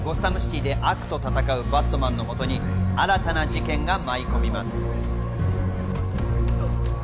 ゴッサムシティで悪と戦うバットマンのもとに、新たな事件が舞い込みます。